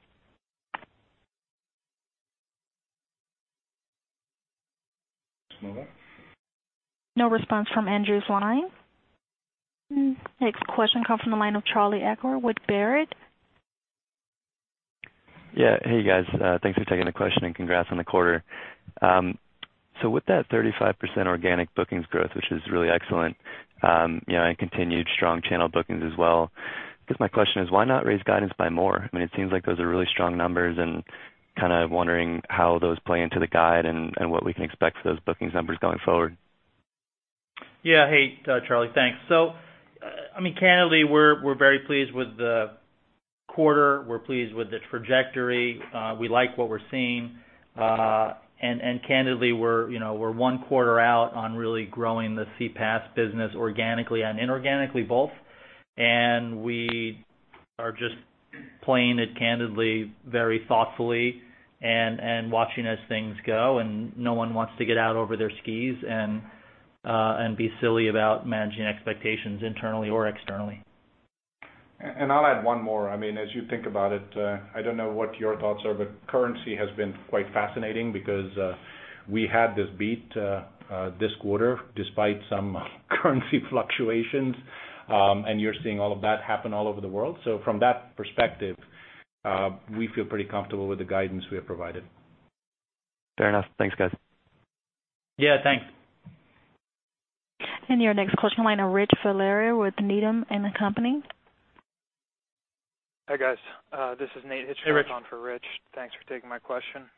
No response from Andrew's line. Next question come from the line of Charlie Acker with Baird. Yeah. Hey, guys. Thanks for taking the question and congrats on the quarter. With that 35% organic bookings growth, which is really excellent, and continued strong channel bookings as well, I guess my question is why not raise guidance by more? It seems like those are really strong numbers and kind of wondering how those play into the guide and what we can expect for those bookings numbers going forward. Hey, Charlie. Thanks. Candidly, we're very pleased with the quarter. We're pleased with the trajectory. We like what we're seeing. Candidly, we're one quarter out on really growing the CPaaS business organically and inorganically both. We are just playing it candidly, very thoughtfully, and watching as things go, and no one wants to get out over their skis and be silly about managing expectations internally or externally. I'll add one more. As you think about it, I don't know what your thoughts are, but currency has been quite fascinating because we had this beat this quarter despite some currency fluctuations. You're seeing all of that happen all over the world. From that perspective, we feel pretty comfortable with the guidance we have provided. Fair enough. Thanks, guys. Yeah, thanks. Your next question, line of Richard Valera with Needham & Company. Hey, guys. This is Nate Hitchcock- Hey, Rich. on for Rich. Thanks for taking my question.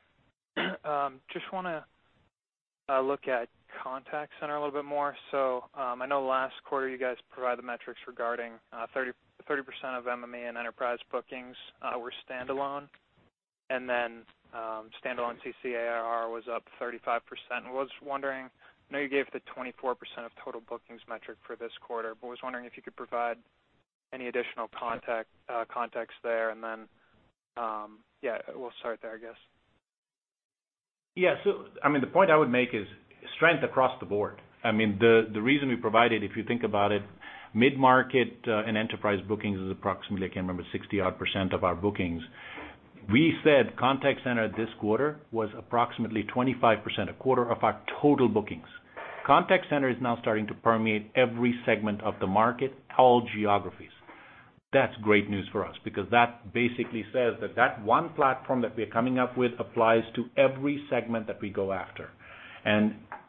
Just want to look at contact center a little bit more. I know last quarter you guys provided the metrics regarding 30% of mid-market and enterprise bookings were standalone, and then standalone CC ARR was up 35%. I know you gave the 24% of total bookings metric for this quarter, but was wondering if you could provide any additional context there. Yeah, we'll start there, I guess. Yeah. The point I would make is strength across the board. The reason we provide it, if you think about it, mid-market and enterprise bookings is approximately, I can't remember, 60-odd percent of our bookings. We said contact center this quarter was approximately 25%, a quarter of our total bookings. Contact center is now starting to permeate every segment of the market, all geographies. That's great news for us because that basically says that one platform that we are coming up with applies to every segment that we go after.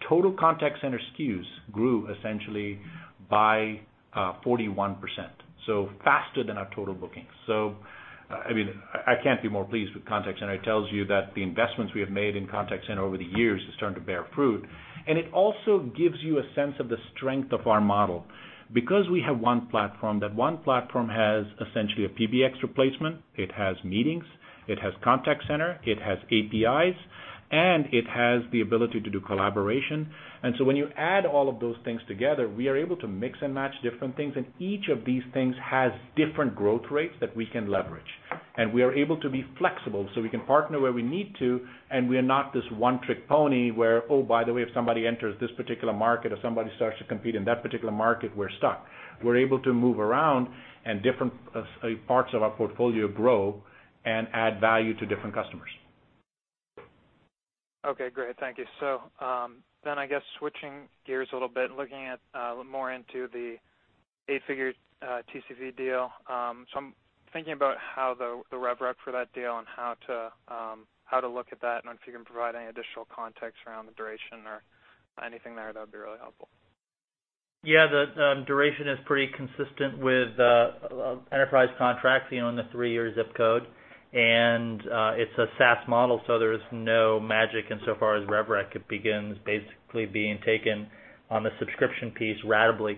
Total contact center SKUs grew essentially by 41%, so faster than our total bookings. I can't be more pleased with contact center. It tells you that the investments we have made in contact center over the years is starting to bear fruit. It also gives you a sense of the strength of our model. Because we have one platform, that one platform has essentially a PBX replacement. It has meetings, it has contact center, it has APIs, and it has the ability to do collaboration. When you add all of those things together, we are able to mix and match different things, and each of these things has different growth rates that we can leverage. We are able to be flexible, so we can partner where we need to, and we are not this one-trick pony where, oh, by the way, if somebody enters this particular market or somebody starts to compete in that particular market, we're stuck. We're able to move around and different parts of our portfolio grow and add value to different customers. Okay, great. Thank you. I guess switching gears a little bit, looking at more into the 8-figure TCV deal. I'm thinking about how the rev rec for that deal and how to look at that, and if you can provide any additional context around the duration or anything there, that'd be really helpful. Yeah, the duration is pretty consistent with enterprise contracts, the three-year zip code. It's a SaaS model, there's no magic in so far as rev rec. It begins basically being taken on the subscription piece ratably.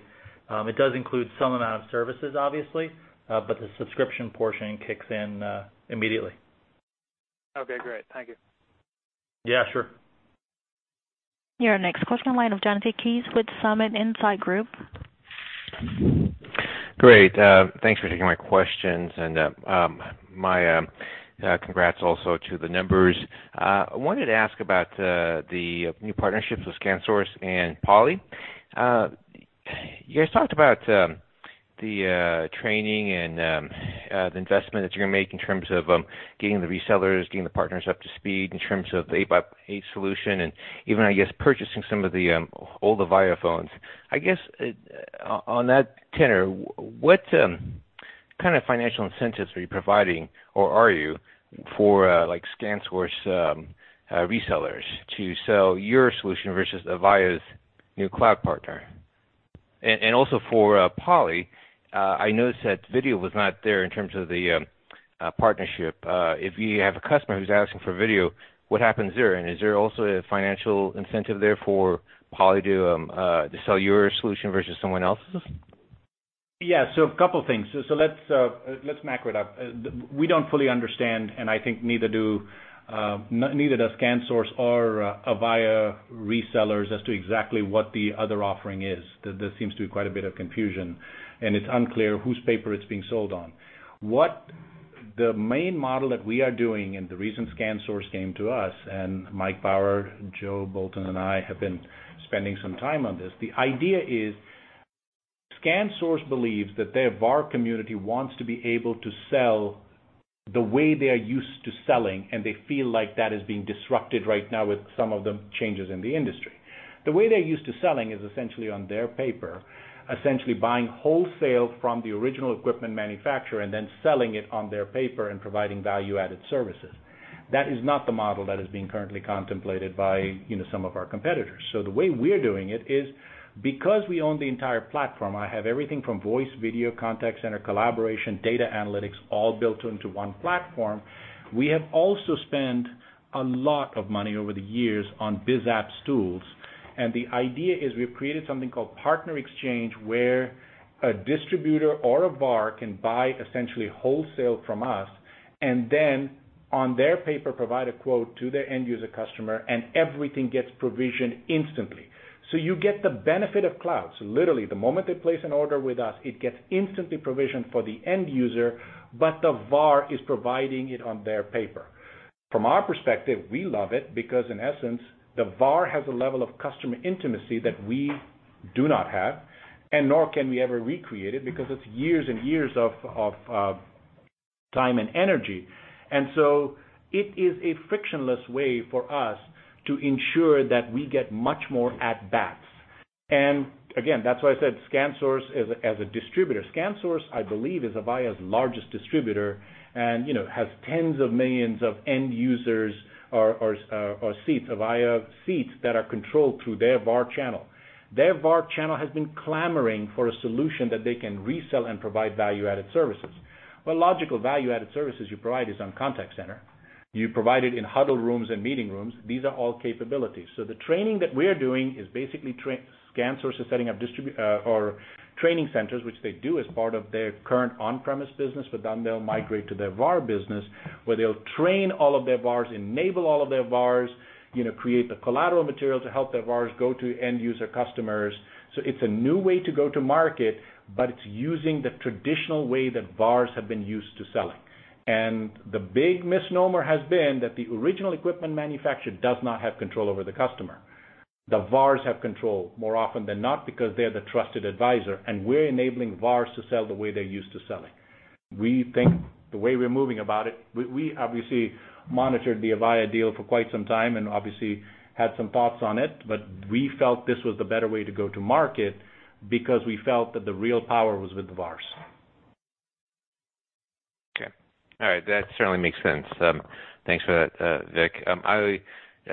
It does include some amount of services, obviously, but the subscription portion kicks in immediately. Okay, great. Thank you. Yeah, sure. Your next question on line of Jonathan Kees with Summit Insights Group. Great. Thanks for taking my questions. My congrats also to the numbers. I wanted to ask about the new partnerships with ScanSource and Poly. You guys talked about the training and the investment that you're going to make in terms of getting the resellers, getting the partners up to speed in terms of 8x8 solution, and even, I guess, purchasing some of the older Avaya phones. I guess, on that tenor, what kind of financial incentives are you providing, or are you, for ScanSource resellers to sell your solution versus Avaya's new cloud partner? Also for Poly, I noticed that video was not there in terms of the partnership. If you have a customer who's asking for video, what happens there? Is there also a financial incentive there for Poly to sell your solution versus someone else's? Yeah, a couple things. Let's macro it up. We don't fully understand, and I think neither does ScanSource or Avaya resellers as to exactly what the other offering is. There seems to be quite a bit of confusion, and it's unclear whose paper it's being sold on. What the main model that we are doing, and the reason ScanSource came to us, and Mike Bauer, Joe Bolton, and I have been spending some time on this, the idea is ScanSource believes that their VAR community wants to be able to sell the way they are used to selling, and they feel like that is being disrupted right now with some of the changes in the industry. The way they're used to selling is essentially on their paper, essentially buying wholesale from the original equipment manufacturer and then selling it on their paper and providing value-added services. That is not the model that is being currently contemplated by some of our competitors. The way we're doing it is because we own the entire platform, I have everything from voice, video, contact center, collaboration, data analytics, all built into one platform. We have also spent a lot of money over the years on biz apps tools, and the idea is we've created something called PartnerXchange, where a distributor or a VAR can buy essentially wholesale from us, and then on their paper, provide a quote to their end user customer, and everything gets provisioned instantly. You get the benefit of cloud. Literally, the moment they place an order with us, it gets instantly provisioned for the end user, but the VAR is providing it on their paper. From our perspective, we love it because in essence, the VAR has a level of customer intimacy that we do not have, nor can we ever recreate it because it's years and years of time and energy. It is a frictionless way for us to ensure that we get much more at bats. Again, that's why I said ScanSource is as a distributor. ScanSource, I believe, is Avaya's largest distributor and has tens of millions of end users or Avaya seats that are controlled through their VAR channel. Their VAR channel has been clamoring for a solution that they can resell and provide value-added services. Well, logical value-added services you provide is on contact center. You provide it in huddle rooms and meeting rooms. These are all capabilities. The training that we're doing is basically ScanSource is setting up training centers, which they do as part of their current on-premise business, but then they'll migrate to their VAR business, where they'll train all of their VARs, enable all of their VARs, create the collateral material to help their VARs go to end user customers. It's a new way to go to market, but it's using the traditional way that VARs have been used to selling. The big misnomer has been that the original equipment manufacturer does not have control over the customer. The VARs have control more often than not because they're the trusted advisor, and we're enabling VARs to sell the way they're used to selling. We think the way we're moving about it, we obviously monitored the Avaya deal for quite some time and obviously had some thoughts on it, but we felt this was the better way to go to market because we felt that the real power was with the VARs. Okay. All right. That certainly makes sense. Thanks for that, Vik.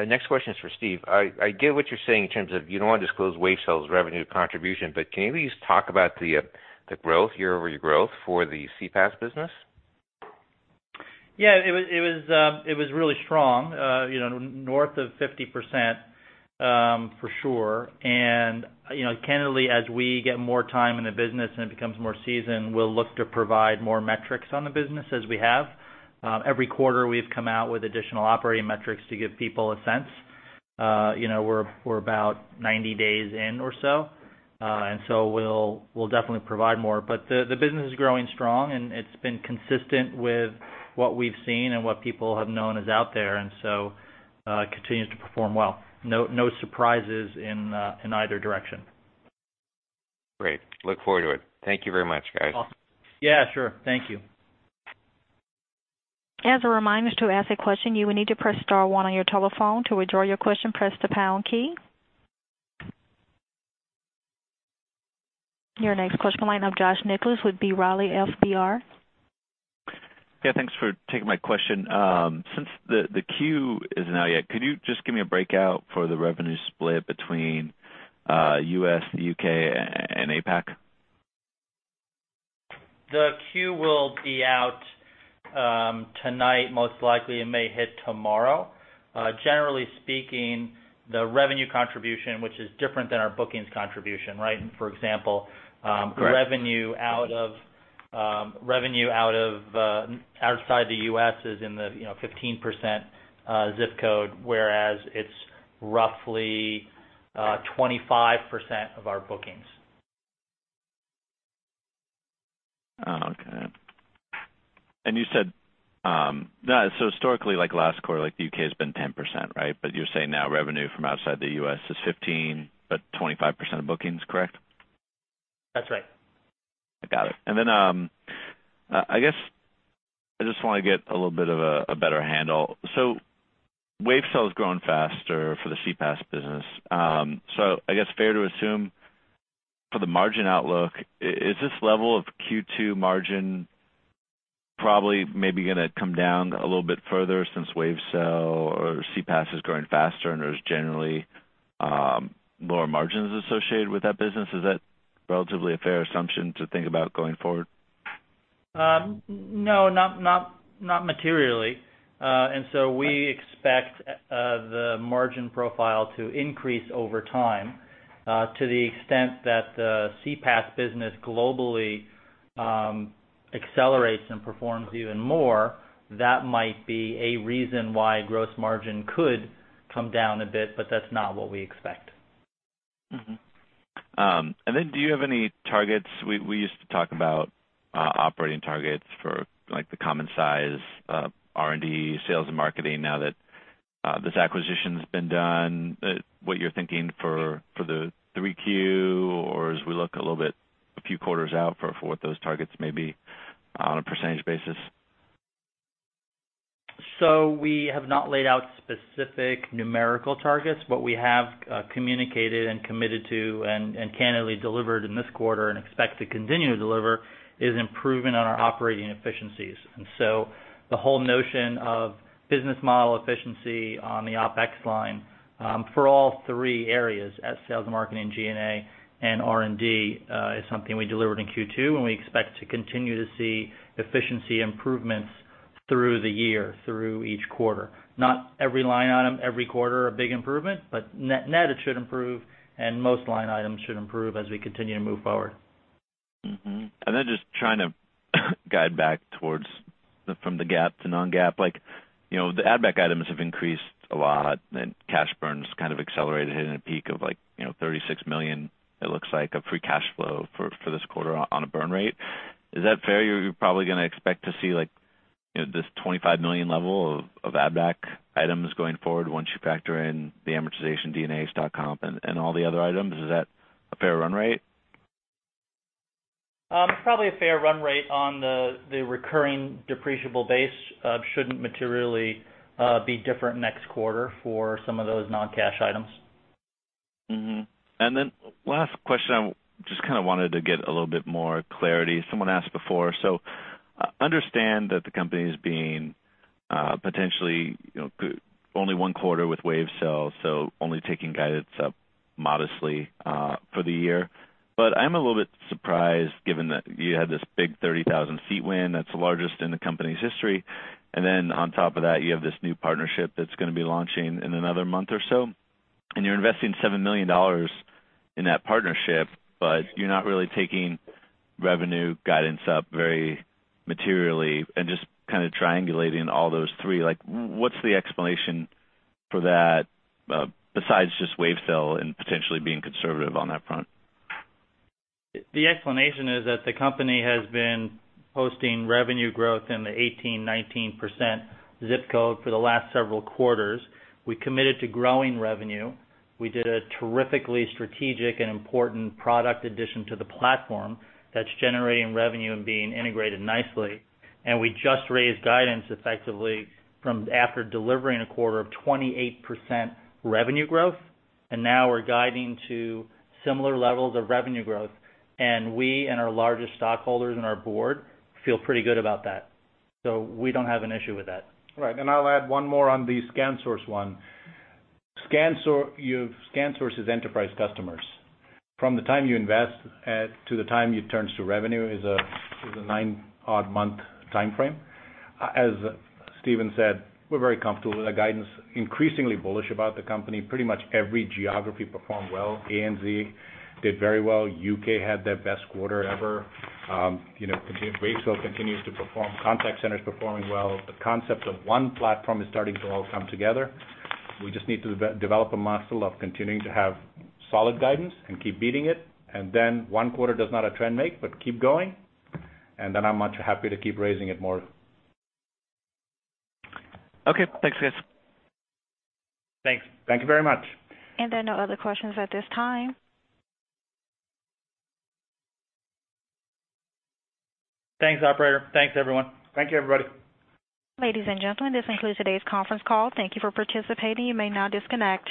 Next question is for Stevennnnn. I get what you're saying in terms of you don't want to disclose Wavecell's revenue contribution, but can you at least talk about the year-over-year growth for the CPaaS business? Yeah, it was really strong, north of 50% for sure. Candidly, as we get more time in the business and it becomes more seasoned, we'll look to provide more metrics on the business as we have. Every quarter, we've come out with additional operating metrics to give people a sense. We're about 90 days in or so, we'll definitely provide more. The business is growing strong, and it's been consistent with what we've seen and what people have known is out there, continues to perform well. No surprises in either direction. Great. Look forward to it. Thank you very much, guys. Yeah, sure. Thank you. As a reminder, to ask a question, you will need to press star one on your telephone. To withdraw your question, press the pound key. Your next question in line on Josh Nicholas with B. Riley FBR. Yeah, thanks for taking my question. Since the queue isn't out yet, could you just give me a breakout for the revenue split between U.S., U.K., and APAC? The queue will be out tonight, most likely it may hit tomorrow. Generally speaking, the revenue contribution, which is different than our bookings contribution, right? Correct revenue outside the U.S. is in the 15% ZIP code, whereas it's roughly 25% of our bookings. Oh, okay. Historically, like last quarter, the U.K. has been 10%, right? You're saying now revenue from outside the U.S. is 15%, but 25% of bookings, correct? That's right. I got it. I just want to get a little bit of a better handle. Wavecell's grown faster for the CPaaS business. I guess fair to assume for the margin outlook, is this level of Q2 margin probably maybe going to come down a little bit further since Wavecell or CPaaS is growing faster and there's generally lower margins associated with that business? Is that relatively a fair assumption to think about going forward? No, not materially. We expect the margin profile to increase over time. To the extent that the CPaaS business globally accelerates and performs even more, that might be a reason why gross margin could come down a bit, but that's not what we expect. Mm-hmm. Then do you have any targets? We used to talk about operating targets for the common size R&D, sales, and marketing. Now that this acquisition's been done, what you're thinking for the 3Q or as we look a little bit, a few quarters out for what those targets may be on a % basis? We have not laid out specific numerical targets, but we have communicated and committed to, and candidly delivered in this quarter and expect to continue to deliver, is improving on our operating efficiencies. The whole notion of business model efficiency on the OpEx line, for all three areas as sales and marketing, G&A and R&D, is something we delivered in Q2, and we expect to continue to see efficiency improvements through the year, through each quarter. Not every line item every quarter a big improvement, but net, it should improve and most line items should improve as we continue to move forward. Just trying to guide back towards from the GAAP to non-GAAP, the add back items have increased a lot and cash burns kind of accelerated, hitting a peak of $36 million, it looks like, of free cash flow for this quarter on a burn rate. Is that fair? You're probably going to expect to see this $25 million level of add back items going forward once you factor in the amortization D&A and all the other items. Is that a fair run rate? It's probably a fair run rate on the recurring depreciable base. Shouldn't materially be different next quarter for some of those non-cash items. Mm-hmm. Last question, just kind of wanted to get a little bit more clarity. Someone asked before, Understand that the company is being potentially only one quarter with Wavecell, only taking guidance up modestly for the year. I'm a little bit surprised given that you had this big 30,000-foot win, that's the largest in the company's history. On top of that, you have this new partnership that's going to be launching in another month or so. You're investing $7 million in that partnership, you're not really taking revenue guidance up very materially and just kind of triangulating all those three. What's the explanation for that, besides just Wavecell and potentially being conservative on that front? The explanation is that the company has been posting revenue growth in the 18, 19% ZIP code for the last several quarters. We committed to growing revenue. We did a terrifically strategic and important product addition to the platform that's generating revenue and being integrated nicely. We just raised guidance effectively from after delivering a quarter of 28% revenue growth. Now we're guiding to similar levels of revenue growth. We and our largest stockholders and our board feel pretty good about that. We don't have an issue with that. Right. I'll add one more on the ScanSource one. ScanSource is enterprise customers. From the time you invest to the time it turns to revenue is a nine-odd month timeframe. As Stevennnnn said, we're very comfortable with the guidance, increasingly bullish about the company. Pretty much every geography performed well. ANZ did very well. U.K. had their best quarter ever. Wavecell continues to perform, contact centers performing well. The concept of one platform is starting to all come together. We just need to develop a muscle of continuing to have solid guidance and keep beating it. One quarter does not a trend make, but keep going. I'm much happy to keep raising it more. Okay. Thanks, guys. Thanks. Thank you very much. There are no other questions at this time. Thanks, operator. Thanks, everyone. Thank you, everybody. Ladies and gentlemen, this concludes today's conference call. Thank you for participating. You may now disconnect.